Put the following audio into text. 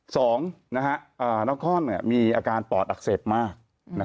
สองนครมีอาการปอดอักเสบมาก